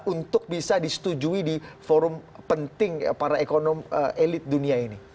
untuk bisa disetujui di forum penting para ekonomi elit dunia ini